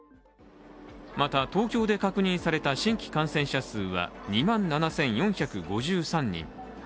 また、東京で確認された新規感染者数は２万７４５３人。